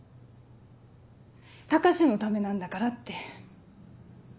高志のためなんだからって。